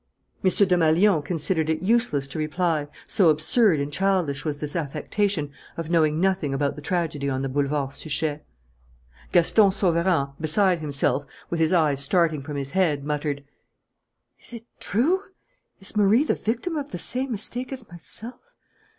M. Desmalions considered it useless to reply, so absurd and childish was this affectation of knowing nothing about the tragedy on the Boulevard Suchet. Gaston Sauverand, beside himself, with his eyes starting from his head, muttered: "Is it true? Is Marie the victim of the same mistake as myself?